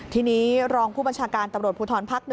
ทีนี้รองผู้บัญชาการตำรวจพูท้อนภาค๑